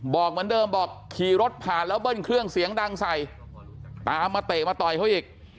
บอกเหมือนเดิมบอกขี่รถผ่านแล้วเบิ้ลเครื่องเสียงดังใส่ตามมาเตะมาต่อยเขาอีก